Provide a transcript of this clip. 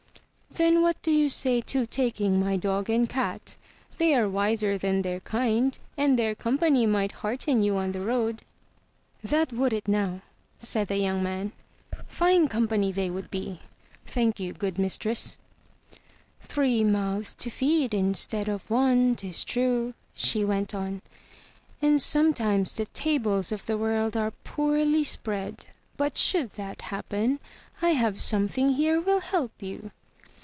"Then what do you say to taking my dog and cat? They are wiser than their kind, and their company might hearten you on the road." ♦From The Italian Fairy Book, published by Frederick A. Stokes Company. 337 MY BOOK HOUSE "That would it now/' said the young man. "Fine company they would be! Thank you, good mistress." "Three mouths to feed instead of one, 'tis true," she went on; "and sometimes the tables of the world are poorly spread. But should that happen, I have something here will help you."